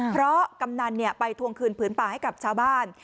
เพราะกำนันไปทวงคืนผืนป่าให้กับชาวบ้าน